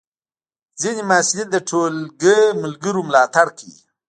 ځینې محصلین د ټولګی ملګرو ملاتړ کوي.